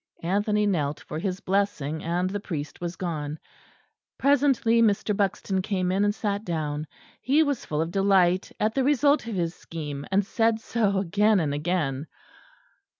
Anthony knelt for his blessing, and the priest was gone. Presently Mr. Buxton came in and sat down. He was full of delight at the result of his scheme; and said so again and again.